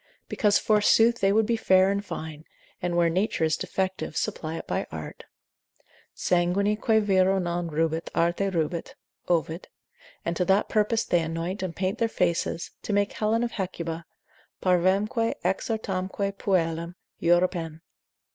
Because forsooth they would be fair and fine, and where nature, is defective, supply it by art. Sanguine quae vero non rubet, arte rubet, (Ovid); and to that purpose they anoint and paint their faces, to make Helen of Hecuba—parvamque exortamque puellam—Europen.